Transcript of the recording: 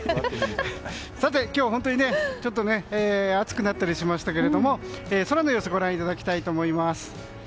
今日は本当に暑くなったりしましたけども空の様子ご覧いただきたいと思います。